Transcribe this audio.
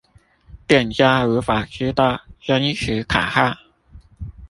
店家無法知道真實卡號